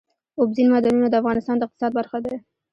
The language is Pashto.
اوبزین معدنونه د افغانستان د اقتصاد برخه ده.